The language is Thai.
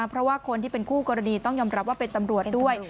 เพราะว่าคนที่เป็นคู่กรณีต้องยอมรับว่าเป็นตำรวจด้วย